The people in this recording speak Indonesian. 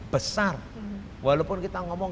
besar walaupun kita ngomong